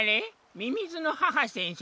みみずの母先生？